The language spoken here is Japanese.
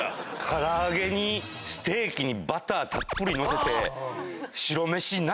唐揚げにステーキにバターたっぷり載せて。